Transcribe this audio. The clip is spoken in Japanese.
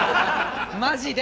マジで！